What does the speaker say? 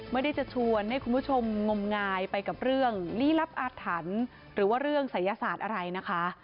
ไม่ได้จะชวนให้คุณผู้ชมงมงายไปกับเรื่องลี้ลับอาถรรพ์หรือว่าเรื่องศัยศาสตร์อะไรนะคะ